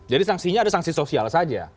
jadi sanksinya ada sanksi sosial saja